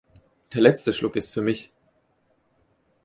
Der letzte Schluck ist für mich.